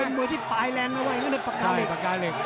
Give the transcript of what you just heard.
เป็นมือที่ปลายแรงเอาไว้กับปากกาเหล็ก